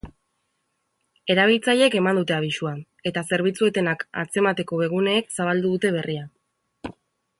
Erabiltzaileek eman dute abisua, eta zerbitzu etenak atzemateko webguneek zabaldu dute berria.